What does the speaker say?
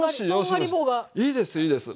いいですいいです。